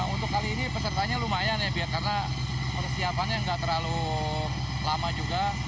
untuk kali ini pesertanya lumayan ya bu ya karena persiapannya nggak terlalu lama juga